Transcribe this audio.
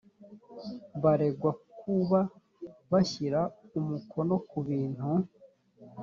baregwa kuba bashyira umukono ku bintu